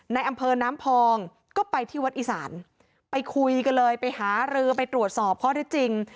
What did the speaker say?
ในอำเภอน้ำพองก็ไปที่วัดอีสานไปคุยกันเลยไปหารือไปตรวจสอบข้อที่จริง